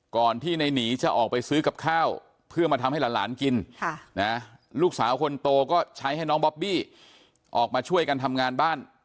ก่อนที่ในหนีจะออกไปซื้อกับข้าวเพื่อมาทำให้หลานกินลูกสาวคนโตก็ใช้ให้น้องบอบบี้ออกมาช่วยกันทำงานบ้าน